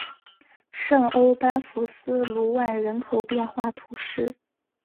圣欧班福斯卢万人口变化图示